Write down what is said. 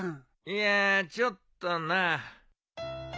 いやーちょっとな。